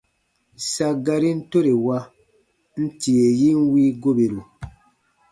Sa garin tore wa, n tie yin wii goberu.